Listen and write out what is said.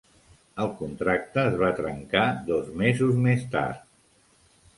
El contracte es va trencar dos mesos més tard.